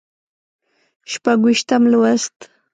شپږ ویشتم لوست